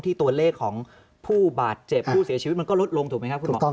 ตัวเลขของผู้บาดเจ็บผู้เสียชีวิตมันก็ลดลงถูกไหมครับคุณหมอ